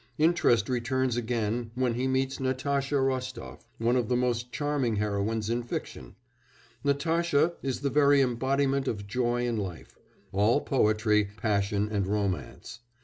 Interest returns again when he meets Natasha Rostof one of the most charming heroines in fiction; Natasha is the very embodiment of joy in life, all poetry, passion, and romance.